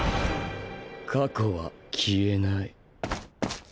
過去は消えない。